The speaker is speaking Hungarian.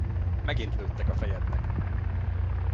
Megint lőttek a fejednek!